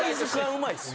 うまいですよ。